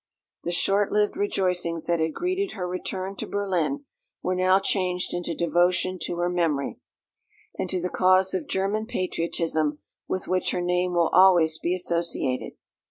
The short lived rejoicings that had greeted her return to Berlin were now changed into devotion to her memory, and to the cause of German patriotism with which her name will always be associated.